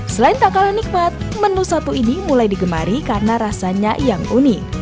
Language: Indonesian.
selain tak kalah nikmat menu satu ini mulai digemari karena rasanya yang unik